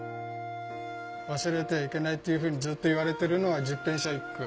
忘れてはいけないっていうふうにずっといわれてるのは十返舎一九。